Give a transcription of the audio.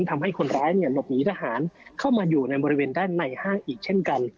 ทำให้คนร้ายเนี่ยหลบหนีทหารเข้ามาอยู่ในบริเวณด้านในห้างอีกเช่นกัน